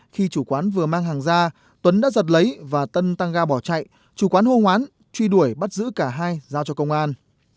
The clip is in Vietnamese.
khi chủ quán vừa mang hàng ra tuấn đã giật lấy và tân tăng ga bỏ chạy chủ quán hô hoán truy đuổi bắt giữ cả hai giao cho công an